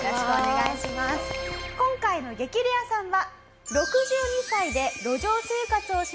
今回の激レアさんは。